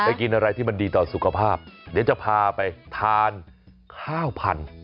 กินอะไรที่มันดีต่อสุขภาพเดี๋ยวจะพาไปทานข้าวพันธุ์